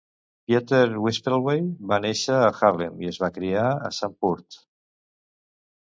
Pieter Wispelwey va néixer a Haarlem i es va criar a Santpoort.